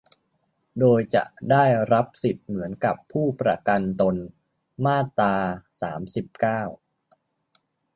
โดยจะได้รับสิทธิ์เหมือนกับผู้ประกันตน มาตรา สามสิบเก้า